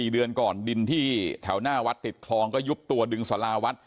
เดือนก่อนดินที่แถวหน้าวัดติดคลองก็ยุบตัวดึงสาราวัด